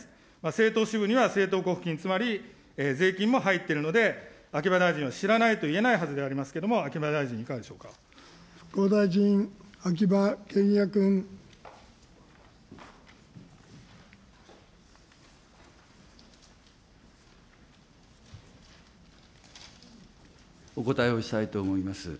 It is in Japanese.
政党支部には政党交付金、つまり、税金も入っているので、秋葉大臣は知らないと言えないはずでありますけれども、秋葉大臣、復興大臣、秋葉賢也君。お答えをしたいと思います。